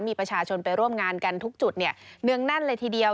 มีประชาชนไปร่วมงานกันทุกจุดเนื่องแน่นเลยทีเดียว